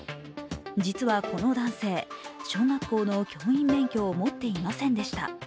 実はこの男性、小学校の教員免許を持っていませんでした。